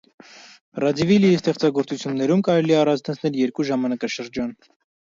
Ռաձիվիլի ստեղծագործություններում կարելի է առանձնացնել երկու ժամանակաշրջան։